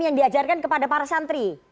yang diajarkan kepada para santri